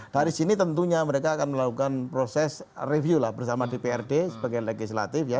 dari sini tentunya mereka akan melakukan proses review lah bersama dprd sebagai legislatif ya